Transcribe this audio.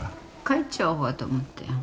帰っちゃおうかと思ったよ。